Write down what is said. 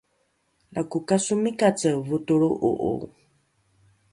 lako kasomikace votolro’o’o